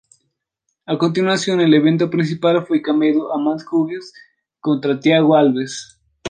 A continuación, el evento principal fue cambiado a Matt Hughes contra Thiago Alves.